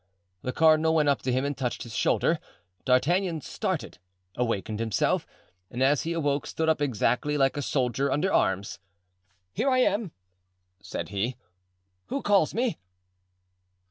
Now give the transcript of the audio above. The cardinal went up to him and touched his shoulder. D'Artagnan started, awakened himself, and as he awoke, stood up exactly like a soldier under arms. "Here I am," said he. "Who calls me?"